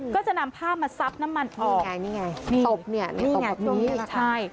ก็จะนำผ้ามาซับน้ำมันอีกไงนี่ไงนี่ตบเนี่ยนี่ไงใช่